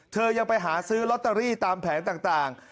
ยังไปหาซื้อลอตเตอรี่ตามแผงต่าง